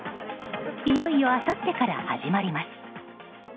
いよいよあさってから始まります。